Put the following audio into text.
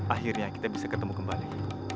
akhirnya kita bisa ketemu kembali